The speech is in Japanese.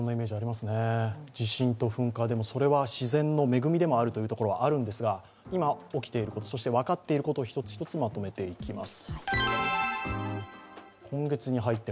地震と噴火、それは自然の恵みでもあるということもあるんですが今、起きていること、分かっていることを一つ一つまとめていきます。